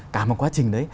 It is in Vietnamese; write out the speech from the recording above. cả một quá trình đấy